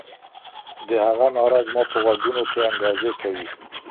د هغه ناره زما په غوږونو کي انګازې کوي.